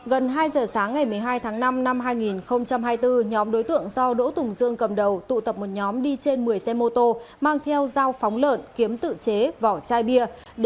gần hai giờ sáng ngày một mươi hai tháng năm năm hai nghìn hai mươi bốn nhóm đối tượng do đỗ tùng dương cầm đầu tụ tập một nhóm đi trên một mươi xe mô tô mang theo dao phóng lợn kiếm tự chế vỏ chai bia